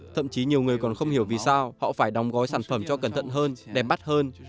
thậm chí nhiều người còn không hiểu vì sao họ phải đóng gói sản phẩm cho cẩn thận hơn đẹp mắt hơn